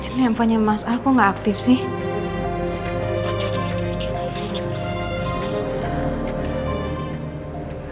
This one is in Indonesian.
dari tempatnya mas al kok ga aktif sih